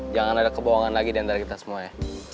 jangan ada kebohongan lagi diantara kita semua ya